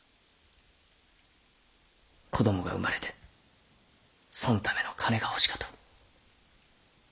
子供が生まれてそんための金が欲しかと。